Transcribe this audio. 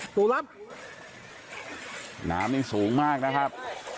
ตูรับน้ำนี่สูงมากนะครับ